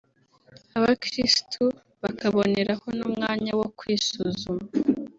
abakristo bakaboneraho n’umwanya wo kwisuzuma